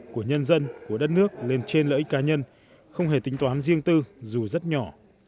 của nhân dân của đất nước lên trên lợi ích cá nhân không hề tính toán riêng tư dù rất nhỏ